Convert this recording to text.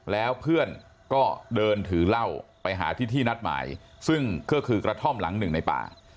แล้วเพื่อนก็เดินถือเหล้าไปหาที่ที่นัดหมายซึ่งก็คือกระท่อมหลังหนึ่งในป่า